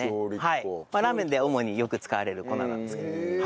ラーメンで主によく使われる粉なんです。